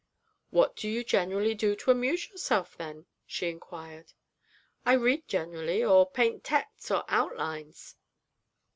'What do you generally do to amuse yourself, then?' she inquired. 'I read, generally, or paint texts or outlines.